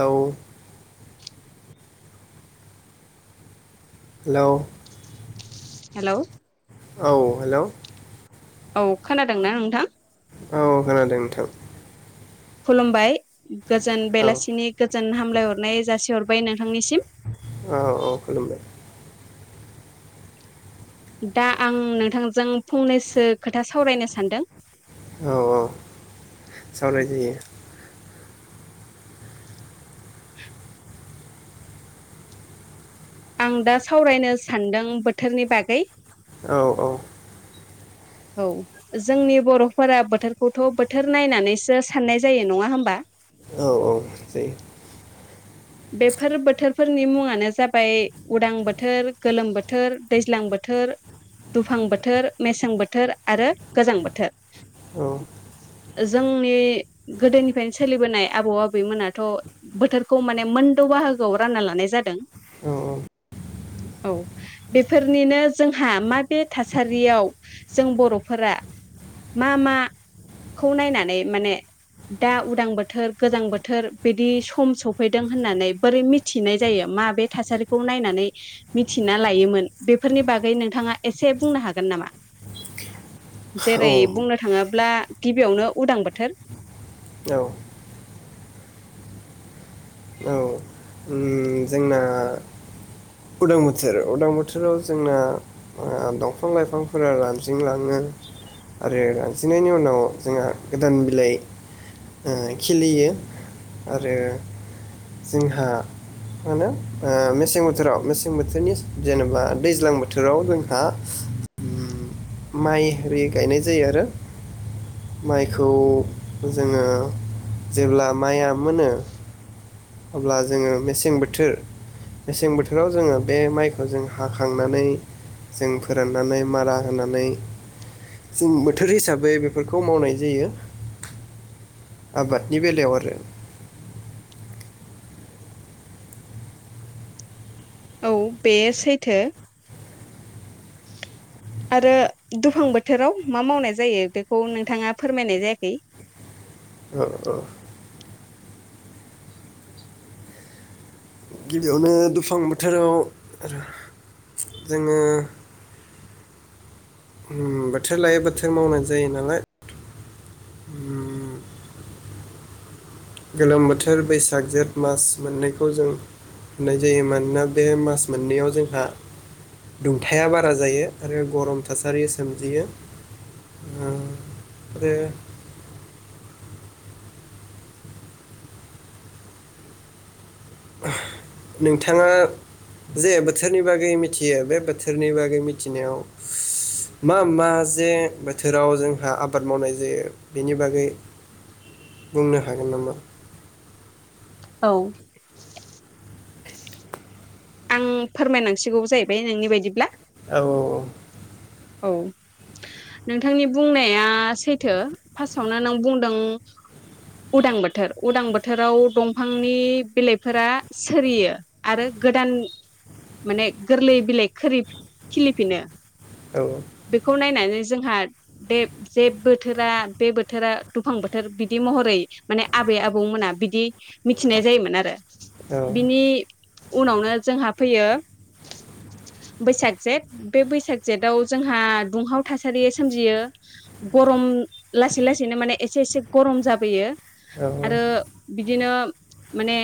लाउ hello hello औ hello औ खोनादोंना नोंथां? औ खोनादों नोंथां। खुलुमबाय गोजोन औ बेलासिनि गोजोन हाम लाय हरनाय जासि हरबाय नोंथांनिसिम। औ औ खुलुमबाय। दा आं नोंथांजों फंनैसो खोथा सावरायनो सानदों। औ औ सावराय जायो। आं दा सावरायनो सानदों बोथोरनि बागै। औ औ औ जोंनि बर'फोरा बोथोरखौथ' बोथोर नायनानैसो साननाय जायो नङा होमबा? औ औ जायो। बेफोर बोथोरफोरनि मुङानो जाबाय उदां बोथोर गोलोम बोथोर दैज्लां बोथोर दुफां बोथोर मेसें बोथोर आरो गोजां बोथोर। औ जोंनि गोदोनिफ्रायनो सोलिबोनाय आबौ आबैमोनाथ' बोथोरखौ माने मोनद' बाहागोआव रानना लानाय जादों औ औ बेफोरनिनो जोंहा माथे थासारियाव जों बर'फोरा मा मा खौ नायनानै माने दा उदां बोथोर गोजां बोथोर बिदि सम सफै दों होननानै बोरै मिथिनाय जायो माबे थासारिखौ नायनानै मिथिना लायोमोन बेफोरनि बागै नोंथाङा एसे बुंनो हागोन नामा? औ जेरै बुंनो थाङोब्ला गिबियावनो उदां बोथोर। उम जोंना उदां बोथोर उदां बोथोराव जोंना ओ दंफां लाइफांफोरा रानज्रिंलाङो आरो रानजिंनायनि उनाव जोंहा गोदान बिलाइ ओ खिलियो आरो जोंहा मा होनो ओ मेसें बोथोराव मेसें बोथोरनि जेनेबा दैज्लां बोथोराव जोंहा उम माइ आरि गायनाय जायो आरो माइखौ जोङो जेब्ला माइआ मोनो अब्ला जोङो मेसें बोथोर मेसें बोथोराव जोङो बे माइखौ जों हाखांनानै जों फोराननानै मारा होनानै जों बोथोर हिसाबै बेफोरखौ मावनाय जायो। आबादनि बेलायाव आरो। औ बे सैथो। आरो दुफां बोथोराव मा मावनाय जायो बेखौ नोंथाङा फोरमायनाय जायाखै। ओ ओ गिबियावनो दुफां बोथोराव जोङो उम बोथोर लायो बोथोर मावनाय जायो नालाय। गोलोम बोथोर बैसाग जेठ मास मोनैखौ जों मोननाय जायो मानोना बे मास मोननैयाव जोंहा दुंथाया बारा जायो आरो गरम थासारि सोमजियो ओ आरो नोंथाङा जे बोथोरनि बागै मिथियो बे बोथोरनि बागै मिथिनायाव मा मा जे बोथोराव जोंहा आबाद मावनाय जायो बेनि बागै बुंनो हागोन नामा? औ आं फोरमायनांसिगौ जाहैबाय नोंनि बायदिब्ला? औ औ नोंथांनि बुंनाया सैथो फार्स्टआवनो नों बुंदों उदां बोथोर उदां बोथोराव दंफांनि बिलाइफोरा सोरियो आरो गोदान माने गोरलै बिलाइ खोरि-खिलिफिनो। बेखौ नायनानै जोंहा बे जे बोथोरा बे बोथोरा दुफां बोथोर बिदि महरै माने आबै आबौमोना बिदि मिथिनाय जायोमोन आरो औ औ बिनि उनावनो जोंहा फैयो बैसाग जेठ बे बैसाग जेटाव जोंहा दुंहाव थासारि सोमजियो गरम लासै लासैनो माने एसे एसे गरम जाबोयो औ आरो बिदिनो माने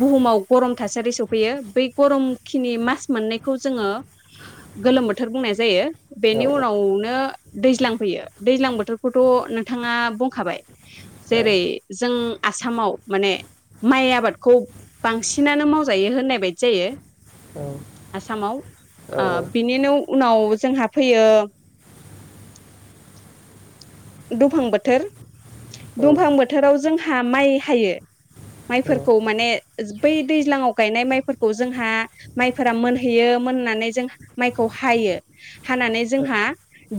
बुहुमाव गरम थासारि सफैयो बै गरम खिनि मास मोननैखौ जोङो गोलोम बोथोर बुंनाय जायो बेनि औ उनावनो दैज्लां फैयो दैज्लां बोथोरखौथ' नोंथाङा बुंखाबाय औ जेरै जों आसामाव माने माइ आबादखौ बांसिनानो मावजायो होननाय बायदि जायो आसामाव ओ बिनिनो उनाव जोंहा फैयो। दुफां बोथोर। दुंफां बोथोराव जों जोंहा माइ हायो। माइफोरखौ मान बै दैज्लांआव गायनाय माइफोरखौ जोंहा माइ मोनहैयो मोननानै जों माइखौ हायो। हानानै जोंहा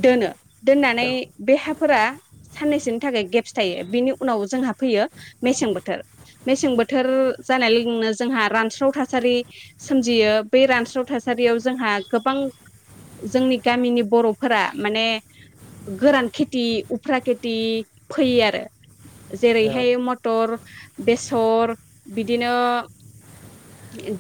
दोनो। दोननानै बे फोरा साननैसोनि थाखाय गेप्स थायो। बेनि उनाव जोंहा फैयो मेसें बोथोर मेसें बोथोर जानाय लोगोनो जोंहा रानस्राव थासारि सोमजियो बेै रानस्राव थासारियाव जोंहा गोबां जोंनि गामिनि बर'फोरा माने गोरान खि थि उफ्रा खेथि फोयो आरो। औ जेरैहाय मथ'र बेसर बिदिनो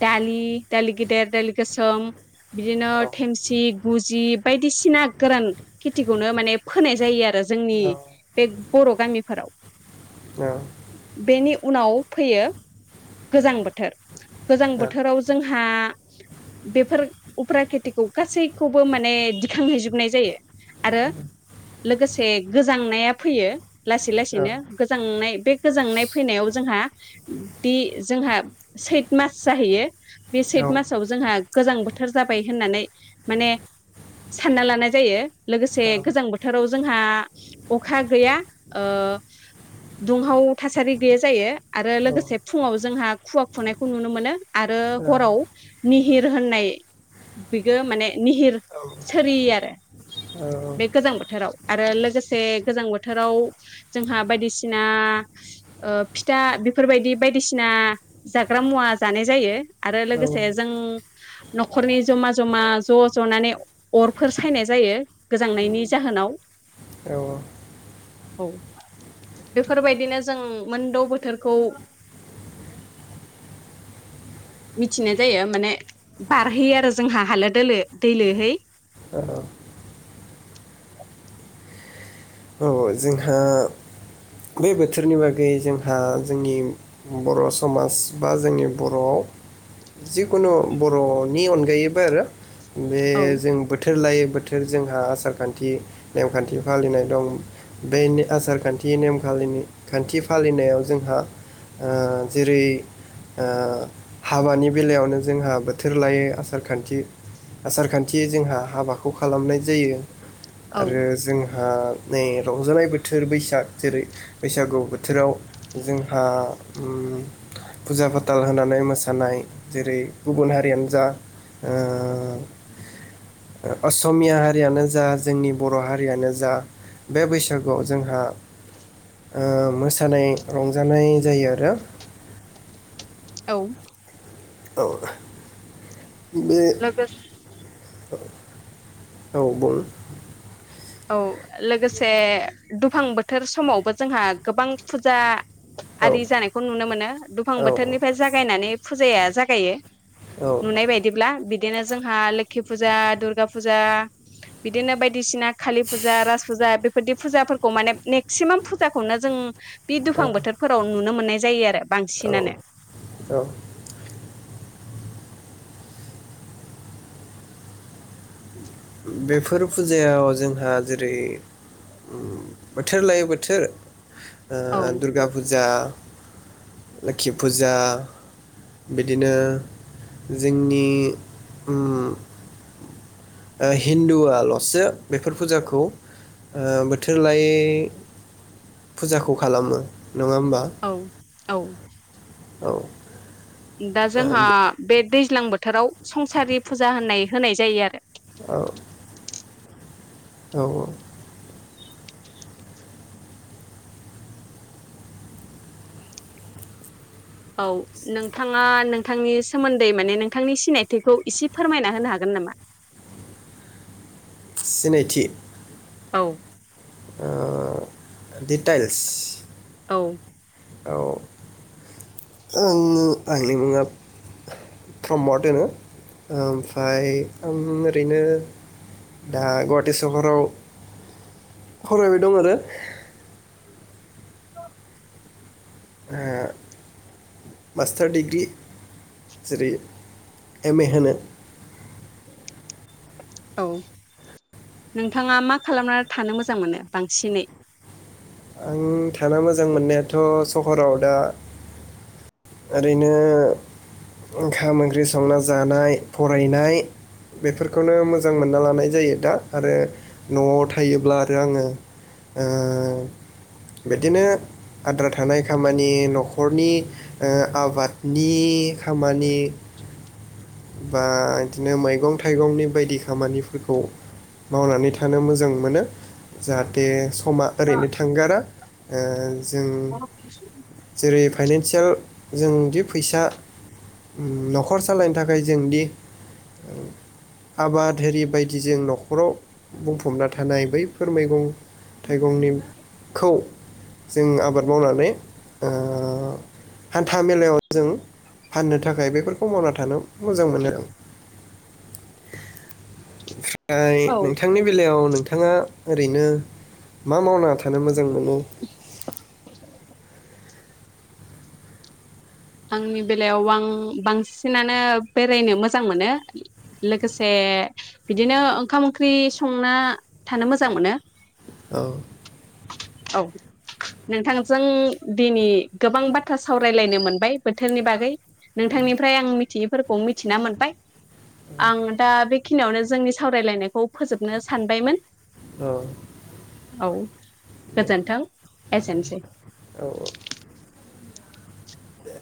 दालि दालि गेदेर दालि गोसोम बिदिनो औ थेमसि गुजि बायदिसिना गोरान खेथिखौनो माने फोनाय जायो आरो जोंनि बे बर' गामिफोराव। औ। बेनि उनाव फैयो गोजां बोथोर गोजां बोथोराव जोंहा बेफोर उफ्रा खेथिखौ गासैखौबो माने दिखांहैजोबनाय जायो। आरो लोगोसे गोजांनाया फैयो। लासै लासैनो गोजांनाय बे गोजांनाय फैनायाव जोंहा दि जोंहा सैथ मास जाहैयो बे सैथ मासाव जोंहा गोजां बोथोर जाबाय होननानै माने सानना लानाय जायो। लोगोसे गोजां बोथ बोथोराव जोंहा अखा गैया। ओ दुंहाव थासारि गैया जायो आरो लोगोसे फुङाव जोंहा खुवा खुनायखौ नुनो मोनो। आरो हराव निहिर होननाय बिबो माने निहिर सोरियो आरो बेखो जों बोथोराव आरो लोगोसे गोजां बोथोराव जोंहा बायदिसिना ओ फिथा बेफोरबायदि बायदिसिना जाग्रा मुवा जानाय जायो। आरो लोगोसे जों न'खरनि जमा जमा ज' ज'नानै अरफोर सायनाय जायो। गोजां नायनि जाहोनाव बेफोरबायदिनो जों मोनद' बोथोरखौ मिथिनाय जायो माने बारहैयो आरो जोंहा हालो दोलो दैलोहै। औ। औ जोंहा बे बोथोरनि बागै जोंहा जोंनि बर' समाज बा जोंनि बर'आव जिखुनु बर'नि अनगायैबो आरो। बे औ जों बोथोर लायो बोथोर जोंहा आसार खान्थि नेमखान्थि फालिनाय दं बे आसारखान्थि नेमखालिनि खान्थि फालिनायाव जोंहा ओ जेरै ओ हाबानि बेलायावनो जोंहा बोथोर लायै आसार खान्थि आसार खान्थियै जोंहा हाबाखौ खालामनाय जायो। औ आरो जों हा नै रंजानाय बोथोर बैसाग जेरै बैसागु बोथोराव जोंहा उम फुजा फाथाल होनानै मोसानाय जेरै गुबुन हारियानो जा ओ असमिया हारियानो जा जोंनि बर' हारियानो जा बे बैसागुआव जोंहा ओ मोसानाय रंजानाय जायो आरो। औ। औ बे लोगोस औ बुं। औ लोगोसे दुफां बोथोर समावबो जोंहा गोबां फुजा औ आरि जानायखौ नुनो मोनो । दुफां औ बोथोरनिफ्राय जागायनानै फुजाया जागायो औ नुनाय बायदिब्ला बिदिनो जोंहा लोखि फुजा दुर्गा फुजा बिदिनो बायदिसिना कालि फुजा राज फुजा बेफोरदि फुजाफोरखौ माने मेक्सिमाम फुजाखौनो जों बे दुफां बोथोरफोराव नुनो मोननाय जायो आरो औ बांसिनानो। बेफोर फुजायाव जोंहा जेरै उम बोथोर लायै बोथोर औ ओ दुर्गा फुजा। लोखि फुजा बिदिनो जोंनि उम ओ हिन्दुआल'सो बेफोर फुजाखौ ओ बोथोर लायै फुजाखौ खालामो। नङा होनबा? औ औ। दा जोंहा बे दैज्लां बोथोराव संसारि फुजा होननाय होनाय जायो आरो। औ औ औ नोंथाङा नोंथांनि सोमोन्दै माने नोंथांनि सिनायथिखौ इसे फोरमायना होनो हागोन नामा? सिनायथि। औ। डिटाइल्स। औ। ओं आंनि मुङा प्रमद होनो ओमफ्राय आं ओरैनो दा गुवाहाटि सहराव फरायबाय दं आरो। आंहा मास्टार डिग्रि जेरै एम ए होनो। औ नोंथाङा मा खालामना थानो मोजां मोनो बांसिनै? आं थानो मोजां मोननायाथ' सहराव दा ओरैनो ओंखाम ओंख्रि संना जानाय फरायनाय बेफोरखौनो मोजां मोनना लानाय जायो दा आरो न'आव थायोब्ला आरो आङो ओ। बिदिनो आद्रा थानाय खामानि न'खरनि ओ आबादनि खामानि बा इदिनो मैगं थाइगंनि बायदि खामानिफोरखौ मावनानै थानो मोजां मोनो जाहाथे। समा ओरैनो थांगारा ओ जों [inaudible] फाइनेनसियेल जों दि फैसा ओम न'खर सालायनो था खाय जोंदि आबाद होरि बायदि जों न'खराव बुंफबना थानाय बैफोर मैगं थाइगंनिखौ जों आबाद मावनानै ओ हान्था मेलायाव जों फाननो थाखाय बेफोरखौ मावना थानो मोजां मोनो आं आफाय औ नोंथांनि बेलायाव नोंथ नोंथाङा ओरैनो मा मावना थानो मोजां मोनो? आंनि बेलायाव आं बांसिनानो बेरायनो मोजां मोनो लोगोसे बिदिनो ओंखाम ओंख्रि संना थानो मोजां मोनो। औ। औ नोंथांजों दिनै गोबां बाथ्रा सावरायलायनो मोनबाय। बोथोरनि बागै नोंथांनिफ्राय आं मिथियैफोरखौ मिथिना मोनबाय। आं दा बे खिनियावनो जोंनि सावरायलायनायखौ फोजोबनो सानबायमोन। औ औ गोजोन्थों एसेनोसै। दे।